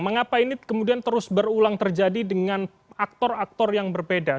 mengapa ini kemudian terus berulang terjadi dengan aktor aktor yang berbeda